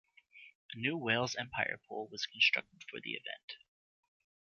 A new Wales Empire Pool was constructed for the event.